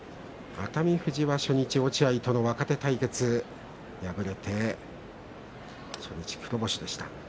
熱海富士は初日落合との若手対決、敗れて初日は黒星でした。